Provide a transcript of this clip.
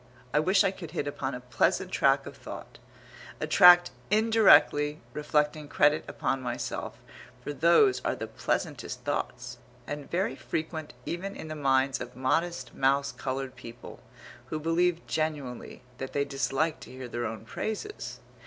I wish I could hit upon a pleasant track of thought, a track indirectly reflecting credit upon myself, for those are the pleasantest thoughts, and very frequent even in the minds of modest mouse coloured people, who believe genuinely that they dislike to hear their own praises.